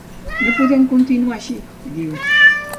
No podem continuar així, diu.